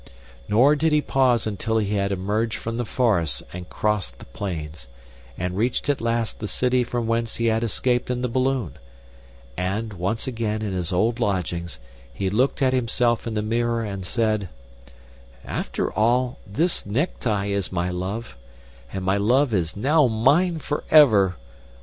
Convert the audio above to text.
Nor did he pause until he had emerged from the forest and crossed the plains, and reached at last the city from whence he had escaped in the balloon. And, once again in his old lodgings, he looked at himself in the mirror and said: "After all, this necktie is my love and my love is now mine forevermore!